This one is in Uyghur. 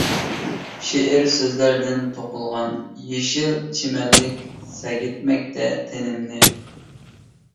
شېئىر سۆزلەردىن توقۇلغان يېشىل چىمەنلىك، سەگىتمەكتە تېنىمنى.